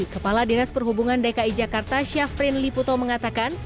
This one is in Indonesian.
kepala dinas perhubungan dki jakarta syafrin liputo mengatakan